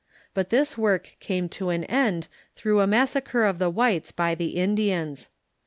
But this work came to an end through a massacre of the whites by the Indians.